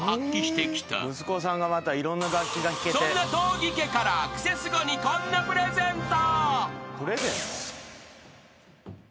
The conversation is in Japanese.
［そんな東儀家から『クセスゴ』にこんなプレゼント］